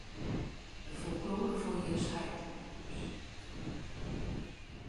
De ‘folklore fan jins heit’, dus.